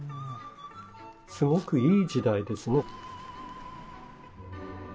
すごくいい時代ですね。